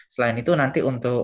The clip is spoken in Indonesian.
selain itu nanti untuk